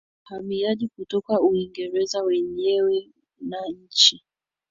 na wahamiaji kutoka Uingereza wenyewe na nchi